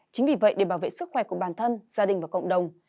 chính vì vậy để bảo vệ sức khỏe của bản thân gia đình và cộng đồng